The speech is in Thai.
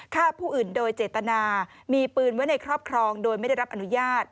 ฆ่าผู้อื่นโดยเจตนามีปืนไว้ในครอบครองโดยไม่ได้รับอนุญาต